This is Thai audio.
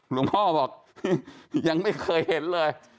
หลวงพ่อบอกยังไม่เคยเห็นเลย